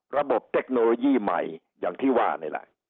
ระบบเทคโนโลยีใหม่อย่างที่ว่าเลยล่ะ